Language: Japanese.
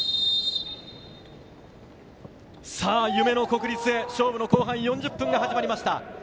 夢の国立で勝負の後半４０分が始まりました。